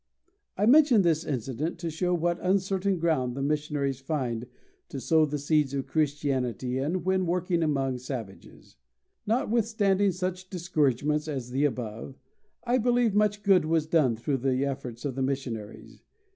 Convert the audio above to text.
I mention this incident to show what uncertain ground the missionaries find to sow the seeds of Christianity in when working among savages. Notwithstanding such discouragements as the above, I believe much good was done through the efforts of the missionaries.